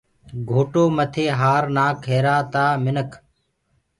گھوٽو مٿي هآر نآک هيرآ تآ منک